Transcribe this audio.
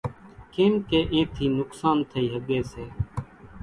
ڪيمڪي اِين ٿي نقصان ٿئي ۿڳي سي۔